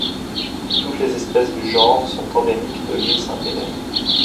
Toutes les espèces du genre sont endémiques de l'île Sainte-Hélène.